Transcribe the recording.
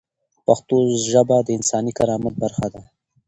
پښتو ژبه د انساني کرامت برخه ده.